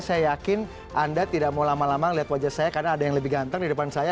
saya yakin anda tidak mau lama lama melihat wajah saya karena ada yang lebih ganteng di depan saya